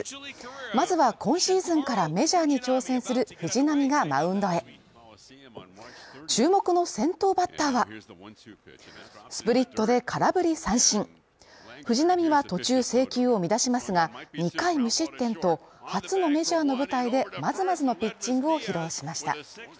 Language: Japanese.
まずは今シーズンからメジャーに挑戦する藤浪がマウンドへ注目の先頭バッターはスプリットで空振り三振藤浪は途中制球を乱しますが、２回無失点と初のメジャーの舞台でまずまずのピッチングを披露しました。